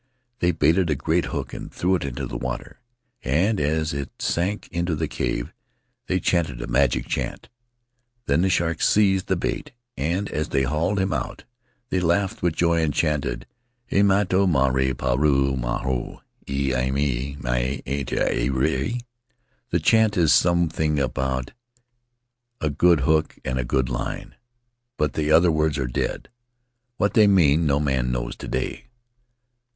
They baited a great hook and threw it into the water, and as it sank into the cave they chanted a magic chant. Then the shark seized the bait, and as they hauled him out they laughed with joy and chanted, ( E matau maitai puru maumau e anave maitai maea i te rai. 9 This chant is something about a good hook and a good line, but the other words are dead — what they mean no man knows to day.